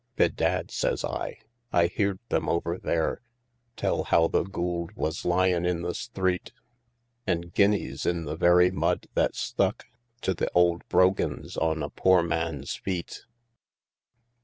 "Bedad," sez I, "I heerd them over there Tell how the goold was lyin' in the sthreet, An' guineas in the very mud that sthuck To the ould brogans on a poor man's feet!"